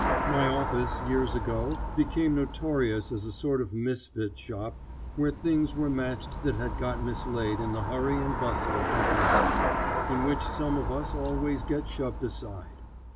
My office years ago became notorious as a sort of misfit shop where things were matched that had got mislaid in the hurry and bustle of life, in which some of us always get shoved aside.